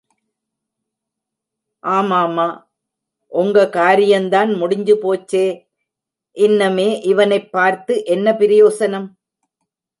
ஆமாமா ஒங்க காரியந்தான் முடிஞ்சுபோச்சே இன்னெமே இவனைப் பார்த்து என்ன பிரயோசனம்?